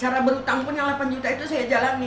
karena berhutang pun yang delapan juta itu saya jalani